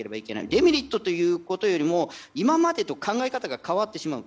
デメリットということよりも今までと考え方が変わってしまう。